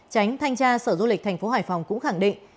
tránh thanh tra sở du lịch tp hải phòng cũng khẳng định